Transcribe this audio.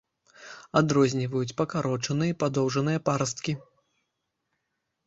Адрозніваюць пакарочаныя і падоўжаныя парасткі.